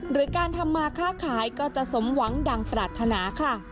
หรือการทำมาค่าขายก็จะสมหวังดังปรารถนาค่ะ